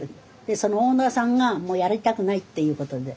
そのオーナーさんがもうやりたくないっていうことで。